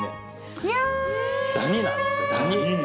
ダニなんですよ、ダニ。